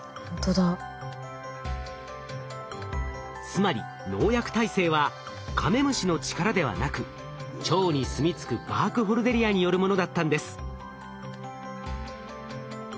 つまり農薬耐性はカメムシの力ではなく腸にすみ着くバークホルデリアによるものだったんです。